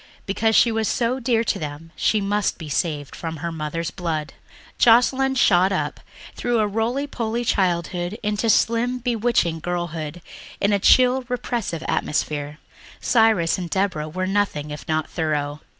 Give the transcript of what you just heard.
Because she was so dear to them she must be saved from her mother's blood. Joscelyn shot up through a roly poly childhood into slim, bewitching girlhood in a chill repressive atmosphere. Cyrus and Deborah were nothing if not thorough.